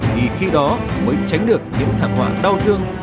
vì khi đó mới tránh được những thảm họa đau thương